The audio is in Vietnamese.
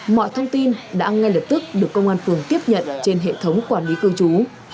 mọi thông tin đã ngay lập tức được công an phường tiếp nhận trên hệ thống quản lý cư trú